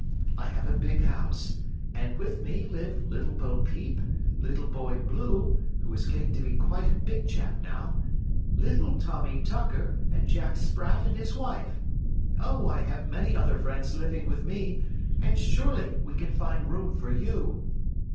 I have a big house, and with me live Little Bo Peep, Little Boy Blue, who is getting to be quite a big chap now, Little Tommie Tucker and Jack Sprat and his wife. Oh, I have many other friends living with me, and surely we can find room for you."